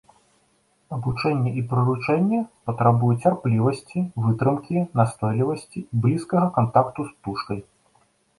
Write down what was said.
Абучэнне і прыручэнне патрабуе цярплівасці, вытрымкі, настойлівасці і блізкага кантакту з птушкай.